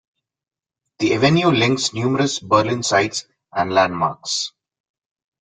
The avenue links numerous Berlin sights and landmarks.